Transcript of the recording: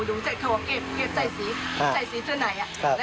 ดูเขาว่าเก็บใส่สีใส่สีเสื้อไหนแล้วแต่ตรงนี้สีเสื้อไหนตรงนี้มันพลาด